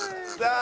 あ！